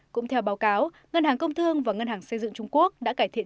cũng theo báo cáo ngân hàng công thương và ngân hàng xây dựng trung quốc đã cải thiện